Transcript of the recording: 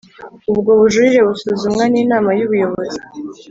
Ubwo bujurire busuzumwa n Inama y Ubuyobozi